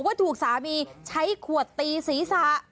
ว่าถูกสามีใช้ขวดตีศีรษะ